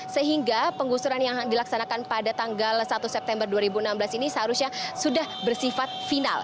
sehingga penggusuran yang dilaksanakan pada tanggal satu september dua ribu enam belas ini seharusnya sudah bersifat final